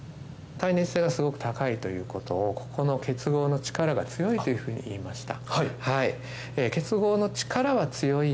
耐熱性がすごく高いということをここの結合の力が強いというふうに言いました。